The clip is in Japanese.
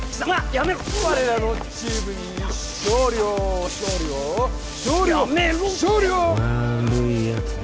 やめろ我らのチームに勝利を勝利を勝利をやめろってわるいやつだ